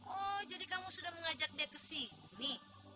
oh jadi kamu sudah mengajak dia ke sini